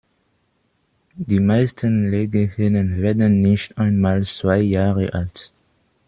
Die meisten Legehennen werden nicht einmal zwei Jahre alt.